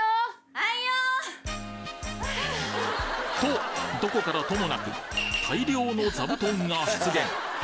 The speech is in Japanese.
あいよ！とどこからともなく大量の座布団が出現！